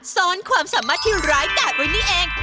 ซ้อนความสามารถที่ร้ายกาดไว้นี่เอง